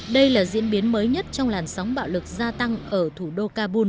đây là diễn biến mới nhất trong làn sóng bạo lực gia tăng ở thủ đô kabul